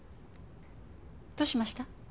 どうしました？